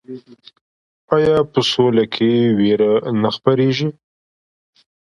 آیا په سوله کې ویره نه خپریږي؟